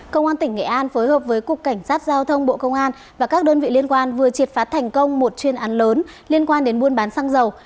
công an tỉnh nghệ an phối hợp với cục cảnh sát giao thông bộ công an và các đơn vị liên quan vừa triệt phá thành công một chuyên án lớn liên quan đến buôn bán xăng dầu